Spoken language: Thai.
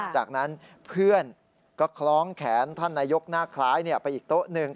จากนั้นเพื่อนก็คล้องแขนท่านนายกหน้าคล้ายไปอีกโต๊ะหนึ่ง